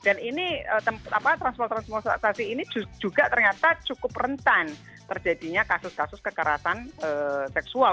dan ini transportasi transportasi ini juga ternyata cukup rentan terjadinya kasus kasus kekerasan seksual